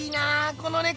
この猫。